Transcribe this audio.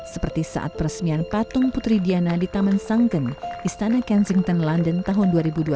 seperti saat peresmian patung putri diana di taman sanken istana kensington london tahun dua ribu dua belas